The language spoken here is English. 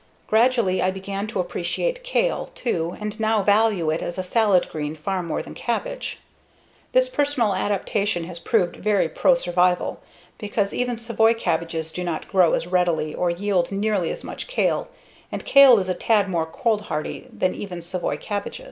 Gradually I began to appreciate kale, too, and now value it as a salad green far more than cabbage. This personal adaptation has proved very pro survival, because even savoy cabbages do not grow as readily or yield nearly as much as kale. And kale is a tad more cold hardy than even savoy cabbage.